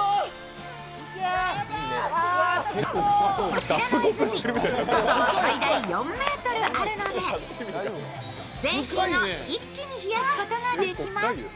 こちらの泉、深さは最大４ｍあるので全身を一気に冷やすことができます。